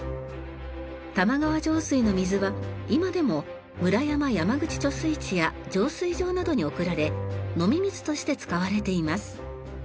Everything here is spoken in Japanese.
玉川上水の水は今でも村山・山口貯水池や浄水場などに送られ飲み水として使われています。